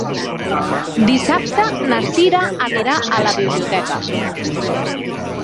Dissabte na Cira anirà a la biblioteca.